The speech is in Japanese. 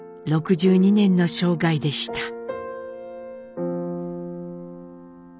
６２年の生涯でした。